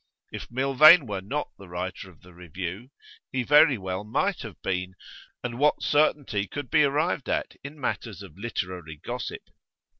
If Milvain were not the writer of the review, he very well might have been; and what certainty could be arrived at in matters of literary gossip?